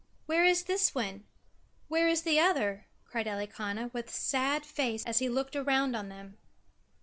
"Where is this one? Where is the other?" cried Elikana, with sad face as he looked around on them.